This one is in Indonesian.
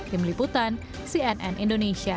tim liputan cnn indonesia